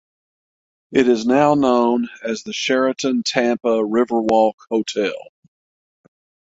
It is now known as the Sheraton Tampa Riverwalk Hotel.